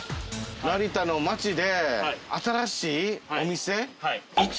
成田の街で新しいお店。